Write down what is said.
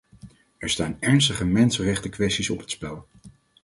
Er staan ernstige mensenrechtenkwesties op het spel.